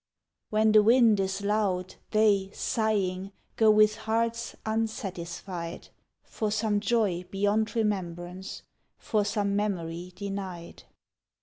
When the wind is loud, they sighing Go with hearts unsatisfied, For some joy beyond remembrance. For some memory denied.